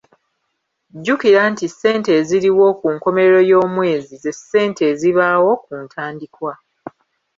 Jjukira nti ssente eziriwo ku nkomerero y’omwezi ze ssente ezibaawo ku ntandikwa.